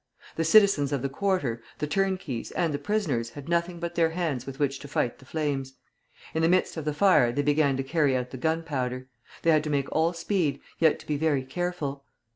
The citizens of the quarter, the turnkeys, and the prisoners had nothing but their hands with which to fight the flames. In the midst of the fire they began to carry out the gunpowder. They had to make all speed, yet to be very careful.